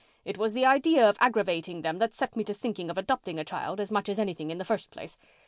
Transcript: It was the idea of aggravating them that set me to thinking of adopting a child as much as anything in the first place.